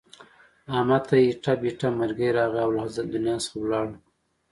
احمد ته ایټه بیټه مرگی راغی او له دنیا څخه ولاړو.